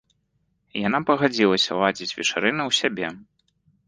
І яна пагадзілася ладзіць вечарыны ў сябе.